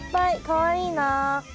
かわいいなあ。